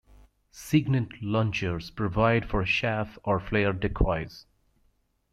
Seagnat launchers provide for chaff or flare decoys.